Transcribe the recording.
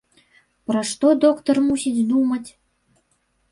Пра што доктар мусіць думаць?